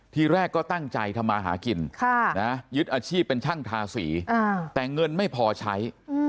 ทีแรกก็ตั้งใจทำมาหากินยึดอาชีพเป็นช่างทาสีแต่เงินไม่พอใช้